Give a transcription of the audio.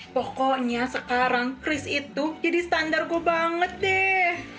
pokoknya sekarang kris itu jadi standarku banget deh